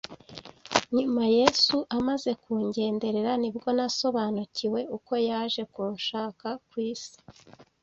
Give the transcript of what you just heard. Nyuma Yesu amaze kungenderera nibwo nasobanukiwe uko yaje kunshaka ku isi,